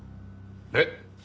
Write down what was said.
えっ？